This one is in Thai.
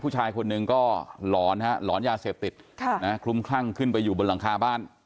ผู้ชายคนหนึ่งก็หลอนฮะหลอนยาเสพติดคลุ้มคลั่งขึ้นไปอยู่บนหลังคาบ้าน